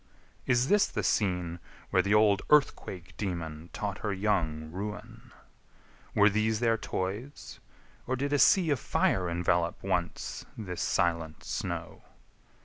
Is this the scene Where the old Earthquake daemon taught her young Ruin? Were these their toys? or did a sea Of fire envelop once this silent snow?